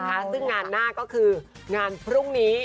ซึ่งงานหน้าก็คืองานพรุ่งนี้